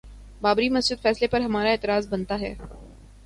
بابری مسجد فیصلے پر ہمارا اعتراض بنتا ہے؟